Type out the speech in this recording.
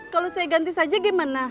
kalau saya ganti saja gimana